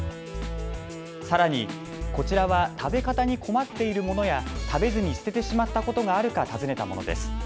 さらにこちらは食べ方に困っているものや食べずに捨ててしまったことがあるか尋ねたものです。